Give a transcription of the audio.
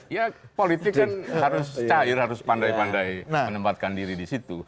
ya politik kan harus cair harus pandai pandai menempatkan diri di situ